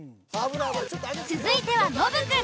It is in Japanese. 続いてはノブくん。